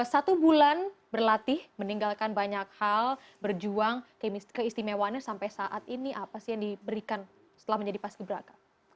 satu bulan berlatih meninggalkan banyak hal berjuang keistimewaannya sampai saat ini apa sih yang diberikan setelah menjadi paski beraka